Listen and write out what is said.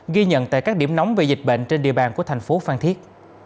ghi nhận tại các điểm nóng về dịch bệnh trên địa bàn của thành phố phan thiết